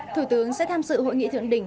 thủ tướng sẽ tham dự hội nghị thượng đỉnh